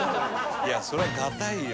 「いやそりゃ硬いよ」